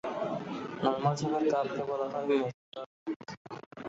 Normal শেপের কার্ভকে বলা হয় মেসোকার্টিক।